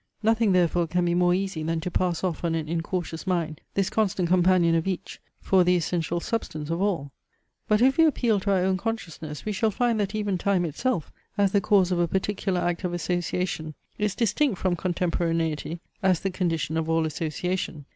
Nothing, therefore, can be more easy than to pass off on an incautious mind this constant companion of each, for the essential substance of all. But if we appeal to our own consciousness, we shall find that even time itself, as the cause of a particular act of association, is distinct from contemporaneity, as the condition of all association.